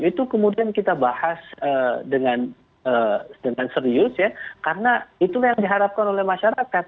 itu kemudian kita bahas dengan serius ya karena itulah yang diharapkan oleh masyarakat